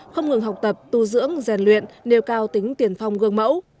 không ngừng học tập tu dưỡng rèn luyện nêu cao tính tiền phong gương mẫu